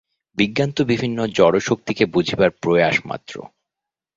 বিজ্ঞান তো বিভিন্ন জড়শক্তিকে বুঝিবার প্রয়াস মাত্র।